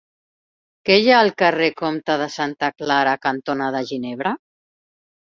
Què hi ha al carrer Comte de Santa Clara cantonada Ginebra?